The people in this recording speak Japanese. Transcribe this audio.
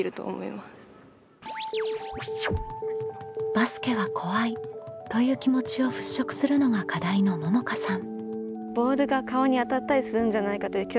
「バスケは怖い」という気持ちを払拭するのが課題のももかさん。